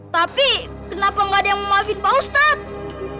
tapi kenapa gak ada yang maafin pak ustadz